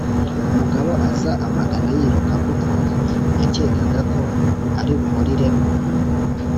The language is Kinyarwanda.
Umugabo aza amugana yiruka kuko yakekaga ko aribubiriremo.